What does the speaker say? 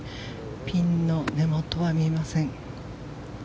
ピンの根元は見えません。